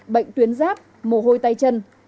bệnh tuyến giáp mồ hôi tay chân